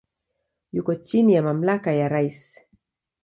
Yuko chini ya mamlaka ya rais.